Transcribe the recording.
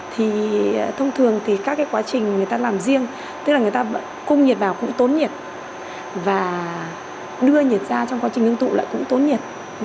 thì thông thường thì các cái quá trình người ta làm riêng tức là người ta cung nhiệt vào cũng tốn nhiệt và đưa nhiệt ra trong quá trình ngưng tụ lại cũng tốn nhiệt